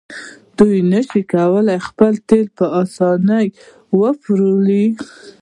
دوی نشي کولی خپل تیل په اسانۍ وپلوري.